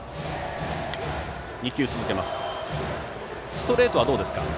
ストレートはどうですか？